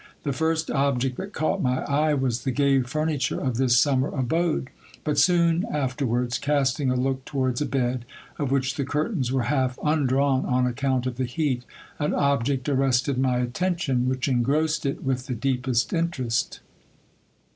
The first object that caught my eye was the gay furniture of this summer abode ; but soon afterwards, casting a look towards a bed, of which the curtains were half undrawn on account of the heat, an object arrested my attention, which engrossed it with the deepest interest.